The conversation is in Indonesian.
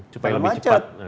supaya lebih cepat